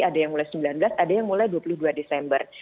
ada yang mulai sembilan belas ada yang mulai dua puluh dua desember